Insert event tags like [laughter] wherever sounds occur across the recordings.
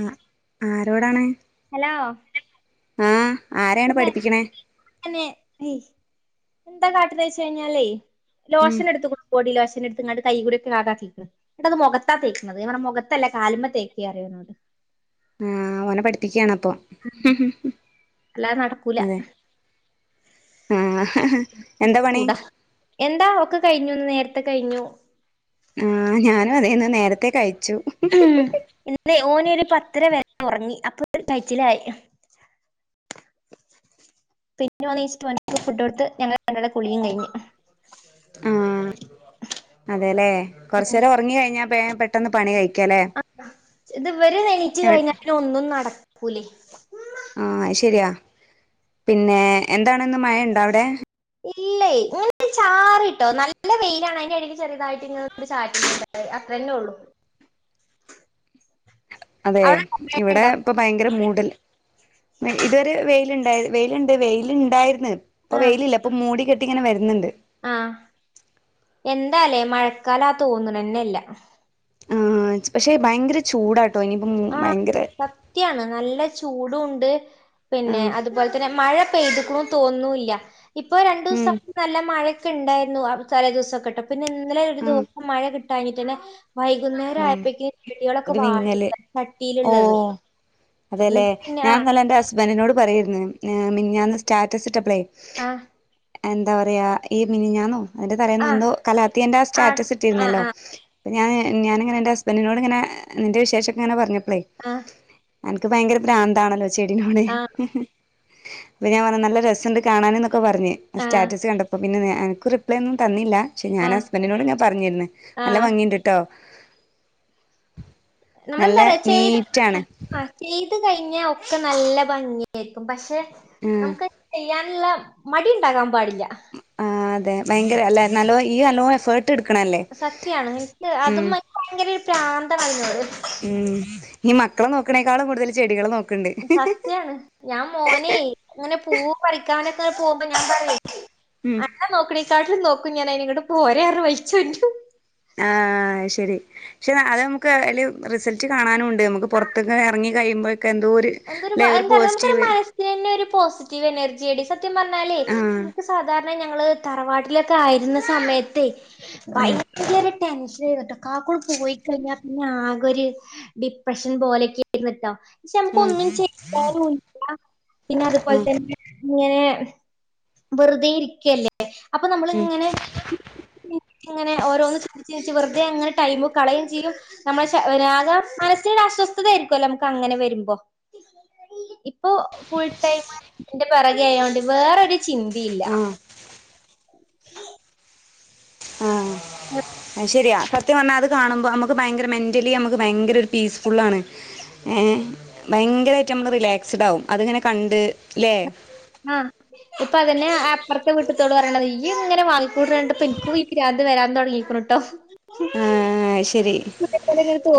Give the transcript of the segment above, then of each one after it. ആ ആരോടാണ് ഹലോ ആ ആരെയാണ് പഠിപ്പിക്കണേ [inaudible] എന്താ കാട്ടണേ എന്നു വച്ചു കഴിഞ്ഞാലേ ഉം ലോഷന് എടുത്ത് കൊടു കോടി ലോഷൻ എടു ങ്ങാട്ട കൈകൂട ഒക്കെ തേക്കുന്നത് കേട്ട അത് മുഖത്താ തേക്കുന്നത് നമ്മുടെ മുഖത്തല്ല കാലുമേല തേക്ക് പറയും ആഹ് ഓനെ പഠിപ്പികാണോ അപ്പൊ അല്ലാതെ നടക്കൂല അതെ ആഹ് എന്താ പണി കൂടാ എന്താ ഒക്കെ കഴിഞ്ഞുന്ന് നേരത്തെ കഴിഞ്ഞു ആ ഞാനും അതേന്ന് നേരത്തേ കഴിഞ്ഞു ഉ ഇ ഓനൊരു പത്തര വരെ ഉറങ്ങി അപ്പോ കയ്ച്ചിലായി പിന്നെ വന്നച്ചിട്ട് ഫുഡ്‌കൊ കൊടുത്ത് ഞങ്ങള രണ്ടാടെ കുളിയും കഴിഞ്ഞു ആ അതല്ലേ കൊറച്ചു നേരം ഉറങ്ങി കഴിഞ്ഞാ പെട്ടന്ന് പണി കഴിയും ആ ഇതു വരെ എണീറ്റ് കഴിഞ്ഞാൽ പിന്നെ ഒന്നും നടക്കൂലേ ആഹ് ശരിയാ പിന്നെ എന്താണെന്ന് മഴ ഉണ്ടോ അവിടെ ഇല്ല ഇങ്ങന ചാറിട്ടോ നല്ല വെയിലാണ് അതിന്റെ ഇടക്ക് ചെറിയതായിട്ട് ഇ ങ്ങനെ ചാറ്റൽ മഴയാ അത്ര തന്നെ ഉള്ളു അതെ ഇവിടെ ഇപ്പൊ ഭയങ്കര മൂടൽ ഇതൊരു വെയിലുണ്ട് വെയിലുണ്ട് വെയിലുണ്ടായിരുന്നു ഇപ്പൊ വെയിലില്ല അപ്പൊ മൂടി കെട്ടി ഇങ്ങനെ വരുന്നുണ്ട് ആഹ എന്താലേ മഴക്കാല തോന്നുന്നനെ ഇല്ല ആ പക്ഷെ ഭയങ്കര ചൂടാണ് ആ സത്യാണ് നല്ലചു ചൂടും ഉണ്ട് പിന്നെ ആഹ് അതുപോലെ തന്നെ മഴ പെയ്തിട്ട് തോന്നില്ല ഇപ്പൊ രണ്ടു ഉം ദിവസം നല്ല മഴ ഒക്കെ ഉണ്ടായിരുന്നു ആ തല ദിവസം ഒ ക്കെ കേട്ടോ പിന്നെ ഇന്നലെ ഒരു ദിവസം മഴ കിട്ടാഞ്ഞിട്ട് തന്നെ വൈകുന്നേരം ആയപ്പഴേക്കും ചെടികളൊക്കെ വാടി ഓ ചട്ടിയിലുള്ളത് അതെല്ലേ എന്നിട്ട് പിന്നെ ഞാൻ ആ ഇന്നലെ എന്റെ ഹസ് ഹസ്ബന്റിനോട് പറയുവാരുന്നു മിനിഞ്ഞാന്ന് സ്റ്റാറ്റസ് ഇട്ടപ്പളെ ആ എന്താ പറയാ ഈ മിഞ്ഞാണോ അതിന്റെതലേന്നോ ആ എന്തോ കലാത്തിയന്റെ ആ സ്റ്റാറ്റസ് ആ ഇട്ടിയിരുന്നല്ലോ ആ ഞാൻ ഞാനിങ്ങനെ എന്റെ ഹസ്ബൻനോട് ഇങ്ങെനെ നിന്റെ വിശേഷങ്ങൾ പറഞ്ഞു ആഹ് എനിക്ക് ഭയങ്കര പ്രാന്താണല്ലോ ചെടിനോട് ആഹ് അപ്പൊ ഞാൻ പറഞ്ഞു നല്ല രസുണ്ട് കാണാൻ പറഞ്ഞു ആഹ് സ്റ്റാറ്റസ് കണ്ടപ്പോൾ പിന്നെ അനക് റിപ്ലേ ഒന്നും തന്നില്ല പക്ഷെ ഞാൻ ആഹ് ഹസ്ബൻനോട് പറഞ്ഞിരുന്നു നല്ല ആഹ് ഭംഗിയുണ്ട് ട്ടോ നല്ല നമ്മളെന്താറയാ ചെയ്ത് നീറ്റാണ് ആ ചെയ് കഴിഞ്ഞ ഒക്കെ നല്ല ഭംഗിയായിരിക്കും പക്ഷെ ഉം നമ്മുക്ക് ചെയ്യാൻ ഉള്ളമടി ഉണ്ടാകാം ആ് അതെ ഭയങ്കര അല്ല നല്ലോ ഈ നല്ലോ എഫേർട്ട് എടുക്കണല്ലേ സത്യാണ് എനക്ക് ഉം അതും [unintelligible] ഒരു പ്രാന്തമായി ഉം ഇനി മക്കളെ നോക്കണേക്കാൾ കൂതൽ ചെടികൾെ നോക്ക സത്യാണ് ഞാൻ മോനെ അങ്ങനെ പൂ പറിക്കാനൊക്കെെ പോകുമ്പോ ഞാൻ പറയാ ഉം അന്നേ നോക്കണേക്കാട്ടിലും നോക്കും ഞാൻയിനി ഇങ്ങോട്ട് പോര് വഴിച്ചോണ്ടു ആ് ശരി പക്ഷെ അത് നമുക്ക് അല് റിസൾട്ട് കാണാനും ഇണ്ട്. നമുക്ക് പുറത്തൊക്കെ ഇറങ്ങി കഴിയുമ്പോ എന്തോ ഒരു എന്തൊരു ല്ലെ ഒരു എന്താറിയോ നമുക്കൊരു പോസിറ്റീവ് മനസ്സിനന്നെ ഒരു പോസിറ്റീവ് എനർജി എടി സത്യം പറഞ്ഞാലേ ആ നക്ക് സാധാരണ ഞങ്ങള് തറവാട്ടിലൊക്കെ ആയിരുന്ന സമയത്ത് ഉം ഭയങ്കര ടെൻഷൻ ആയിരുന്നു കേട്ടോ കാക്കൂടെ പോയി കഴിഞ്ഞാൽ പിന്നെ ആകെ ഒരു ഡിപ്രഷൻ പോലെയൊക്കെ ആയിുന്ന കേട്ടോ നമക്ക് ആ ഒന്നും [unintelligible] പിന്നെ അതുപോലെ തന്നെ ഇങ്ങനെ വെറുതെ ഇരിക്കയല്ലേ അപ്പൊ നമ്മളിങ്ങനെ ങ്ങനെ ഓരോന്ന് [unintelligible] വെറുെ അങ്ങനെടൈ് കളയും ചെയ്യും നമ്മെ മനസ് അസ്വസ്ഥതായിരിക്കുവല്ലോ നമുക്ക് അങ്ങനെ വരുമ്പോ അപ്പൊ ഫുൾ ടൈംന്റെ പിറകെ ആയതോണ്ട് വേറരു ചിന്തിയില്ല ആ [inaudible] ആഹ് [unintelligible] ശരിയാ സത്യം പറഞ്ഞാൽ അത് കാണുമ്പോ നമുക്ക് ഭയങ്കര മെന്റലി നമുക്ക് ഭയങ്കര ഒരു പീസ് ഫുൾ ആാണ് ഏ ഭയങ്കരമായിട്ട് നമ്മള് റിലാക്സ്ഡ് ആകും അതിങ്ങനെ കണ്ട് ല്ലേ ആഹ് ഇപ്പൊ അതന്നെ അപ്പുറത്തെ വീട്ടത്തോട് പറയത് ഈ ഇങ്ങനെ വാക്കൂട്ണ്ടപ്പോ എനിക്കു [unintelligible] അത് വരാൻ തുടങ്ങിക്കണുട്ടോ ആ ശരി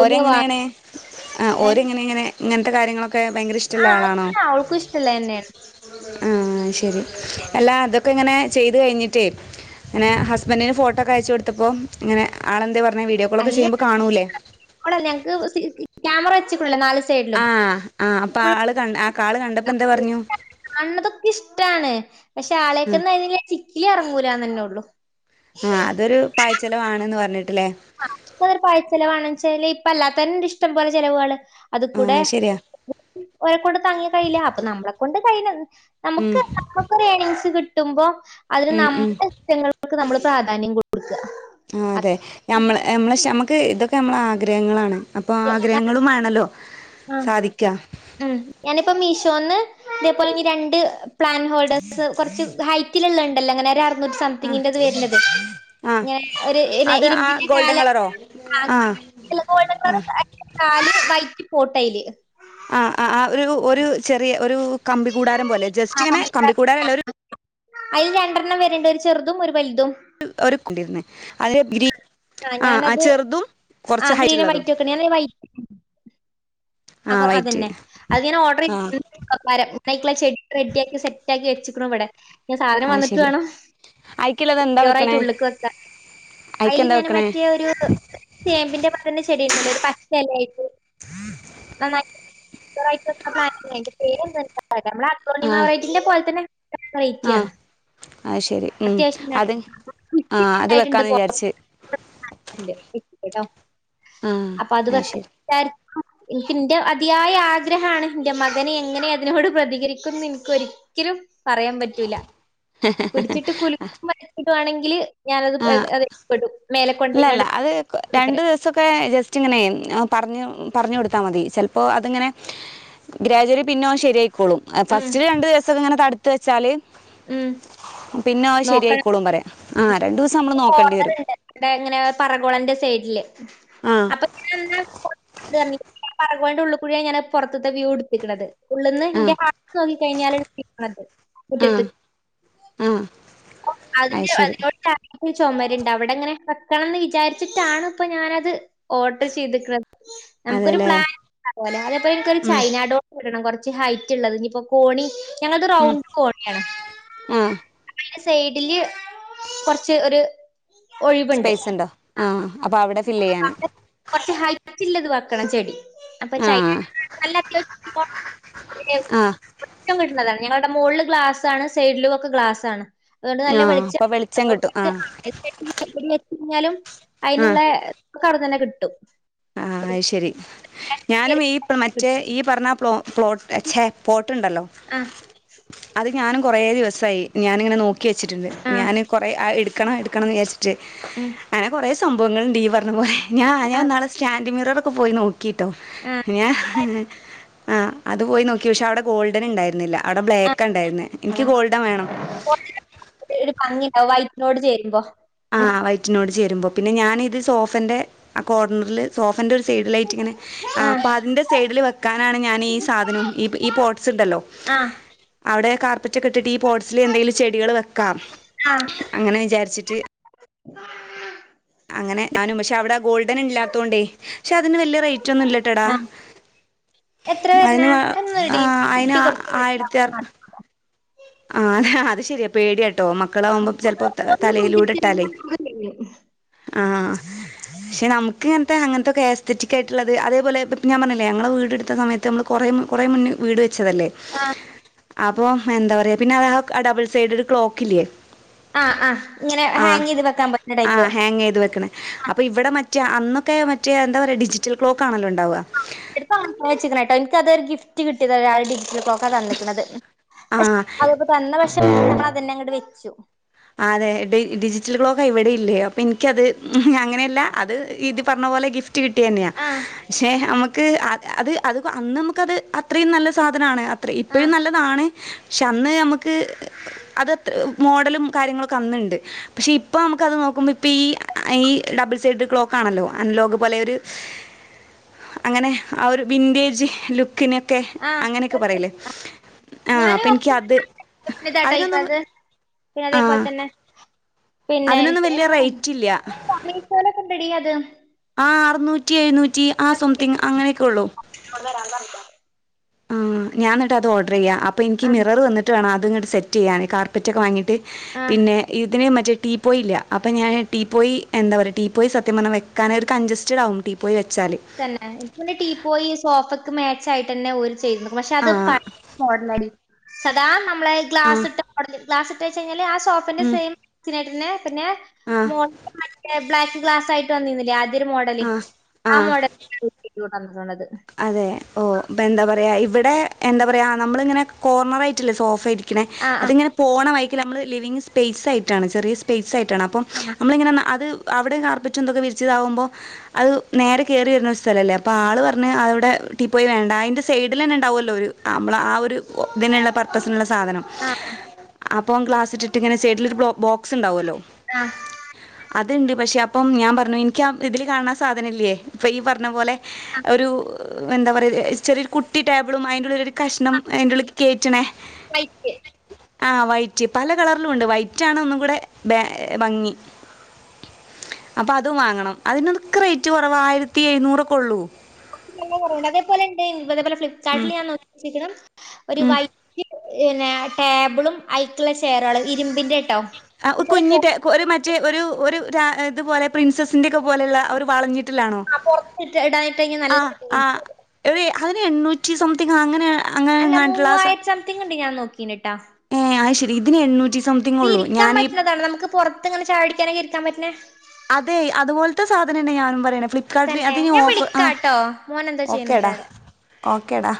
ഓരെങ്ങനെയണ് വാങ്ങാ ഏഹ് [unintelligible] ഒക്കെ ഭയങ്കര ഇഷ്ടമുള്ള ആഹ് ആളാണോ ഇഷ്ടാ ഓൾക്കും ഇഷ്ടള്ളെന്നേണ് ആഹ ശെരി അല്ലാ അതൊക്കെ ഇങ്ങനെ ചെയ്തു കഴിഞ്ഞിട്ടേ അങ്ങനെ ഹസ്ബൻഡറിന് ഫോട്ടോക്കെ അയച്ചു കൊടുത്തപ്പോ ഇങ്ങനെ [unintelligible] [unintelligible] വീഡിയോ കോളൊക്കെ അയിന് ചെയ്യുമ്പോ കാണൂല്ലേ ഇവിടെ ഞങ്ങക്ക് സി ക്യാമറ വച്ചിട്ടുള്ളേ നാല് സൈഡിലും. ആഹ ആഹ് അപ്പൊ ഫുൾ ആള് ക ആ കാള് കണ്ടപ്പോ എന്താ പറഞ്ഞു കാണതൊക്കെ ഇഷ്ടമാണ് പക്ഷെ ആഹ് ആളെയൊക്കന്ന [unintelligible] ഇറങ്ങൂരാന്ന് തന്നെ ഉള്ളു. ആഹ അതൊരു പായ്ചലവ ആണന്ന് പറഞ്ഞിട്ട് ആ പ ചിലവാണ്ണെച്ചല് ഇപ്പ അല്ലാത്തവ ഇഷ്ടം പോലെ ചെലവുകള് അത് കൂടെ ആഹ് ശരിയാ ഒരെ കൊൊണ്ട് താങ്ങിയ കഴീല്ല അപ്പൊ നമ്മളെ കൊൊണ്ട് കയ്യി ഉം നമുക്ക് നമുക്ക്ൊരു എണിങ്സ് കിട്ടുമ്പോ അതിന് ഉം ഉം നമ്മുടെ ഇ്ടങ്ങള നമ്മൾ പ്രാധാന്യം കൊടുക്കുക ആ അതെ നമ്മള നമ്മളെ നമ്മക്ക് ഇതൊക്കെ നമ്മള ആഗ്രഹങ്ങളാണ് അപ്പൊ ആഗ്രഹങ്ങളും വേണല്ലോ ആ സാധിക്കാ ഉ ഞാനിപ്പോ മീഷോന്ന് ഇതേപോലെ ഇനി രണ്ട് പ്ലാൻ ഹോൾഡേഴ്‌സ് കുറച്ച് ഹൈറ്റിലള്ള ഉണ്ടല്ലോ അങ്ങനെ ആഹ് സംതിങ്ങിന്റെത് വരത് ആഹ് ഇങ്ങനെ ഒരു ഇന്നെ അത് ആ ഇരുമ്പിന്റെ ഗോൾഡൻ കാലം കളറോ ആ ആഹ് ഗോൾഡൻർ ആഹ് നാല് വൈറ്റ് പോട്ടയില് ആഹ് ആഹ് ആഹ് ഒരു ഒരു ചെറിയ ഒരു കമ്പി കൂടാരം പോലെ ജസ്റ്റ് ഇങ്ങനെ കമ്പ കൂടാരല്ല ഒരു അതിൽ രണ്ടെണ്ണം വരേണ്ട ഒരു ചെറുതും ഒരു വലുതും [unintelligible] അതി ഗ്രീ ആഹ ആ ചെറുതും ആ കൊറച്ച ഗ്രീനും ഹൈറ്റ്ള്ളതും വൈറ്റും ഒക്കെ ആ ആഹ് വൈറ്റ് അതന്നെ അത് ഞാൻ ഓർഡർ ആഹ് [unintelligible] ചെടി റെഡിയ ആാക്കി സെ സെറ്റാക്കി വെച്ചിക്കണ ഇവിടെ ഞൻ സാധനം ആഹ് വന്നിട്ട് ശരി വേണോ അയിക്കുള്ളത് എന്താ വെക്കണേ [unintelligible] [unintelligible] അതില് അയിക്കെന്താ ഞാൻ വെക്കണേ മറ്റേ ഒരു ചേമ്പിന്റെ [unintelligible] ഉണ്ട് പച്ചല ആയിട്ട് [inaudible] [unintelligible] ആഹ് [unintelligible] യിക്കയാണ് ആഹ് അത് ശരി ഉം അത്യാവശ്യം അത് ആഹ് അത് ഉയിട്ടുണ്ട് വെക്കാന്ന് വിചാരിച്ച് കേട്ടോ ആഹ് അപ്പൊ അത് ശരി എനിക്ക് എന്റെ അതിയായ ആഗ്രഹമാണ് എന്റെ മകനെ എങ്ങനെ അതിനോട് പ്രതികരിക്കുംന്ന് എനിക്ക് ഒരിക്കലും പറയാൻ പറ്റൂല പിടിച്ചിട്ട് കുല വരച്ചിട്ടുവാണെങ്കിൽ ഞാനത്പ്പെും മേലെ ഇല്ലല്ല കൊണ്ടെങ്ങാണ്ട് അത് രണ്ട് ദിവസൊക്കെ ജസ്റ്റ്ങ്ങനെ പറഞ്ഞു പറഞ്ഞു കൊടുത്താൽ മതി ചിലപ്പോ അതിങ്ങനെ ഗ്രാജുലി പിന്നോ അവൻ ശെരിയായ്ക്കോളും ക്ളും ഉം ഫസ്റ്റ് രണ്ട് ദിവസമക്കെ ഇങ്ങനെ തടുത്തത്ത് വെച്ചാൽ ഉം പിന്നെ നോക്കണം ശരിയയിക്കോളും പറയാം ആഹാ രണ്ടു ദിവസം നമ്മള് നോക്കേണ്ടി വരും അനെ പറഗോളന്റെ സൈഡില് ആഹ് അപ്പേ പിന്നെ പറണ്ട് ഉള്ളിൽകൂടെ ഞാൻ പുറത്തത്തെ വ്യൂ എടുത്തിക്കണത് ഉള്ളന്ന് ഇന്റെ ആഹ് നോക്കി കഴിഞ്ഞൽണത് മുറ്റത്ത് ആഹ് ആഹ് അത് അതിന്റെ ശരി അതിനോട് ചുമരണ്ട് അവിടെങ്ങനെ വെക്കണംന്ന് വിചാരിച്ചിട്ടാണ് ഇപ്പൊ ഞാനത് ഓർഡർ ചെയ്തിട്ടുന്നത് നമുക്കൊരു അതെല്ലേ പ്ലാൻ ണ്ടാവല്ലോ അതേപ എനക്ക്‌ ഒരു ഉം ചൈനഡോട്ട് വടണം കൊറ ഹൈറ്റ് ഉള്ളത് ഇനിയിപ്പോ കോണി ഞങ്ങളത് ഉം റൗണ്ട് കോണിയാണ് ആഹ് സൈഡില് കുറച്ച് ഒരു സ്പേസ് ഉണ്ടോ ആ അപ്പൊ അവിടെ ഫില്ല് ചെയ്യാന് കുറച്ച് ഹൈറ്റില്ലത് വെക്കണം ചെടി അപ്പൊ ചൈന ആഹ് നല്ല ആഹ് അത്യാവശ്യംംട്ടുള്ളതാണ് [inaudible] ഞങ്ങളുടെ മുകളിൽ ഗ്ലാസ് ആണ് സൈഡിലും ഒക്കെ ഗ്ലാസ് ആണ് അതുകൊണ്ട് നല്ല ആഹ് വെളിച്ച അപ്പൊ വെളിച്ചം അപ്പ കിട്ടും വെച്ച ആഹ് [inaudible] കഴിഞ്ഞാലും അതിനുള്ള ക്കെ അവിട്ന്ന് തന്നെ കിട്ടും ആഹ അത് ശരി ഞാനും ഈ മറ്റേ കിട്ടും ഈ പറഞ്ഞ്ല പ്ലോട്ട് ഛേ ഉണ്ടല്ലോ ആ അത് ഞാനും കുറേ ദിവസമായി ഞാനിങ്ങനെ നോക്കി വച്ചിട്ടുണ്ട് ആ ഞാാന് കുറെേ എടുക്കണം എടുക്കണംന്ന് വിച ട്ട് ഉം, അങ്ങനെ കുറേ സംഭവങ്ങൾ ഉണ്ട് ഈ പറഞ്ഞ പോലെ ഞ ആ ഞാൻ നാളെ സ്റ്റാൻഡി മിററ ഒക്കെ പോയി നോക്കി ക്കിട്ടോ ആ ന്ന ആ അത് പോയി നോക്കി പക്ഷെ അവിടെ ഗോൾഡൻ ഉണ്ടായിരുന്നില്ല അവിടെ ആ, ബ്ലാക്ക് ഉണ്ടായിരുന്ന എനിക്ക് ഗോൾഡൻ വേണം നോട് ചേരുമ്പോ ആഹ് വൈറ്റിനോട് ചേരുമ്പോ പിന്നെ ഞാനിത് സോഫന്റെ കോർണറൽ സോഫന്റെ സൈഡിലായിട്ട് ഇങ്ങനെ അ ആ അപ്പ അതിന്റെ സൈഡിൽ വെക്കാനാണ് ഞൻ ഈ സാധനം ഈ പോട്സ് ണ്ടല്ലോ ആ അവിടെ കാർപ്പറ്റ ഒക്കെ ഇട്ടിട്ട് ഈ പോട്സില് എന്തെങ്കിലും ചെടികൾ വെക്കാം അങ്ങനെ വിചാരിച്ചിട്ട് ആഹ അങ്ങനെ ഞാനും പക്ഷെ അവിടെ ഗോൾഡൻ ഇല്ലാത്തോണ്ടേ പക്ഷെ അതിന് വലിയ റേറ്റ് ഒന്നുംല്ലട്ടെടാ ആ എത്ര വരണ അതിന് ഒന്നിടി അയിന് കുട്ടി ആ കുറച്ച് ആയിരത്തി അർ ആഹ് അത് ശരിയാ പേടിയ ട്ടോ മക്കളാവുമ്പോ ചെലപ്പോ തലയിലൂടെ ഇട്ടാലേ ആ പക്ഷെ നമുക്ക് ഇങ്ങനത്തെ അങ്ങനത്തെക്കെ ആസ്തറ്റിക് ആയിട്ടുള്ളത് അതേപോലെ ഞാൻ പറഞ്ഞില്ലേ ഞങ്ങളെ വീട്ടുത്ത സമയത്ത് നമ്മൾ കുറെ കുറേ മുന്നേ വീട് വെച്ചതല്ലേ ആഹ് അപ്പൾ എന്താ പറയാ പിന്നെ അ ഡബിൾ സൈഡ് ഒരു ക്ലോക്ക്ല്ലേ ആഹ് ആഹ് ഇങ്ങനെ ആ ഹാങ് ചെയ്ത് വെക്കാൻ പറ്റുന്ന ആ ടൈപ്പ് ഹാങ് ചെയ്ത് വെക്കണ അപ്പൊ ഇവിടെ മറ്റേ അന്നൊക്കെ മറ്റ എന്താ പറയയാ ഡിജിറ്റ ക്ലോക്ക് ആണല്ലോണ്ടണ്ട് [inaudible] എനിക്കതൊരു ഗിഫ്റ്റ് കിട്ടിയത ഒരാൾടെ ക്ലോക്കെ തന്നിരിക്കണന്നത് പക്ഷെ ആഹ് അതൊക്കെ തന്ന പക്ഷെ [unintelligible] അതന്നെ അങ്ങോട്ട് വെച്ചു അതെ ഡ ഡിജിറ്റൽ ക്ലോക്ക ഇവിടെ ഇല്ലേ അപ്പൊ എനിക്കത് അങ്ങനെയല്ല അത് ഇത് പറഞ്ഞ പോലെ ഗിഫ്റ്റ് കിട്ടിയ തന്നെയ ആഹ് പക്ഷെ നമു അത് അത് അന്ന് നമുക്കത് അത്രയും നല്ല സാധനമാണ് അത്ര ഇപ്പോഴും ആഹ് നല്ലതാണ് പക്ഷെ അന്ന് നമുക്ക് അതത്ര മോഡലും കാര്യങ്ങളൊക്കെ അന്ന്ണ്ട് പക്ഷെ ഇപ്പോ നമ്മുക്കത് നോക്കുമ്പോ ഇ ഈ ഈ ഡബിൾ സൈഡ് ക്ലോക്ക ആണല്ലോ ലോക് പോലൊരു അങ്ങനെ അ ഒരു വിന്റെജ് ലുക്ക്‌ നെ ക്കെ ആഹ് അങ്ങനെയൊക്കെ സത്യം പറീലെ ആ അപ്പൊ ഇൻക്യാത് താട്ടായിക്കത് പിന്നെ അതേപോലെ ആ തന്നെ പിന്നെ അതിനൊന്നും വലിയ റേറ്റ് ഇല്ല [inaudible] മീ ഷോലെക്കെണ്ടത് ആ അറുന്നൂറ്റി എഴുന്നൂറ്റി ആ സംതിങ് അങ്ങനെയൊക്കെ ഉള്ളൂ ആ ഞാ എന്നിട്ട്ത് ഓഡർ ചെയ്യാ അപ്പൊ ഇനിക്ക് ആ മിറർ വന്നിട്ട് വേണം അതങ്ങട്ട് സെറ്റ് ചെയ്യാന് കാർപ്പറ്റ ഒക്കെ വാങ്ങിട്ട് ആഹ് പിന്നെ ഇതിനെ മറ്റേ ടീ പോയില്ല അപ്പം ഞാൻ ടീ പോയി എന്താ പറയുക ടീ പോയി സത്യംഞ്ഞാൽ വെക്കാനൻ ഒരു കൺഞ്സ്റ്റഡ്കും ടീ പോയി വെ തന്നെ ഇന്നെ ടീ പോയി സോഫക്ക് മാച്ച ആയിട്ട് തന്നെ ഒരു ചെയ്തു പക്ഷെ അത് ആ [unintelligible] മൊ ഡല സാധാ നമ്മളെ ആ ഗ്ലാസ് ഇട്ട് മോട ക്ലാസ് ഇട്ട് വെച്ച് കഴിഞ്ഞാല് ആ സോഫ ന്റെ ഉം സെയിംട്ടന്നെ പിന്നെ ആ മോ [unintelligible] ബ്ലാക്ക് ഗ്ലാസ് ആട്ട്ന്നിരുന്നില്ലേ ആദ്യ ഒരു മോഡല് ആ ആ മോഡല [unintelligible] അതെ ഓ ഇപ്പൊ എന്താ പറയാ ഇവിടെ എന്താ പറയാ നമ്മള ഇങ്ങനെ കോർണർ ആയിട്ടില്ലേ സോഫ് ഇരി ക്ക്ണ ആഹ് അത് ആഹ് ഇങ്ങനെ പോണ വൈക്കൽ നമ്മള് ലിവിങ്‌ സ്പ ആയിട്ടാണ് ചെറിയ സ്പ ആയിട്ട് ട്ടാണ് അപ്പം നമ്മളിങ്ങനെ അത് അവിടെയും കാർപ്പറ്റു ന്തൊക്കെ വിരിച്ചതാകുമ്പോൾ അത് നേരെ കയറി വരുന്ന ഒരു സ്ഥലമല്ലേ അപ്പോൾ ആൾ അടെ ടി പോയി വേണ്ട അതിന്റെ സൈഡിൽ തന്നെ ഉണ്ടാവല്ലോ നമ്മ ആ ഒരു തുനുള്ള പരിപ്പസിനുള്ള സാധനം ആഹ് അപ്പം ക്ലാസ് ഇട്ടിട്ട് ഇങ്ങനെ സൈഡിൽ ഒരു ബോക്സ് ഉണ്ടാവുമല്ലോ ആഹ് അതുണ്ട് പക്ഷേ അപ്പം ഞാൻ പറഞ്ഞു ഇനിക്ക ഇതിൽ കാണാണ സാധന ല്ലേ ഇപ്പം ഈ പറഞ്ഞ പോലെ ആഹ് ഒരു എന്താ പറയ ചെറിയൊരു കുട്ടി ടേബിളും അതിൻ്റെ ഉള്ളരു കഷ്ണം അതിൻ്റെ ഉള്ളിൽക്ക് കേറ്റ ണെ [unintelligible] ആ വൈറ്റ് പല കളറിലും ഉണ്ട് വൈറ്റ് ആണ് ഒന്നും കൂടെ ബെ ഭംഗി അപ്പൊ അതും വാങ്ങണം അതിനൊക്കെ റേറ്റ് കുറവ് ആയിരത്തി എഴുന്നൂറക്കെ ഉള്ളൂ [unintelligible] അതേപോലെ ഉണ്ട് അതേപോലെ ഉം, ഫ്ലിപ്കാർട്ടിൽ ഞാൻ [unintelligible] ഒരു ഉം. വൈറ്റ് പിന്നെ ടേബിളും ഐക്കുള്ള ചെയറുകളും ഇരുമ്പിന്റെ ആ കുഞ്ഞിട്ട ഒരു മറ്റേ ഒരു ഒരു ഇതുപോലെ പ്രിൻസസിന്റെറെ ഒക്കെ പോലെയുള്ള ഒരു വളഞ്ഞിട്ട് ണോ ആ പൊറത്തിട്ട് ഇടാനിട്ടെങ്കി നല്ല ആ ആ അതി എണ്ണൂറ്റി സംതിങ്‌ അങ്ങനെ അങ്ങനെ അല്ല എങ്ങാണ്ടുള്ള ആ സ- മൂവായിരത്തി സംതിങ് ഉണ്ട് ഞാൻ നോക്കീട്ട് ആ ശരി ഇന് എണ്ണൂറ്റി സംതിങ് ഇത് ഉള്ളൂ ഇരിക്കാൻ ഞാനീ പറ്റുന്നതാണ് നമുക്ക് പുറത്ത് ഇങ്ങനെ ചായടിക്കാനൊക്കെ ഇരിക്കാൻ പറ്റണേ അതെ അതുപോലത്തെ സാധനം തന്നെ ഞാനും പറയണ ഫ്ലിപ്കാർട്ടിൽ തന്നെ അത് നി ഞാൻ ഓഫ ആ വിളിക്കാട്ടോ മോനെന്തോ ചെയ്യുന്നുണ്ട് ഓക്കേടാ അവിടെ ഓക്കടാ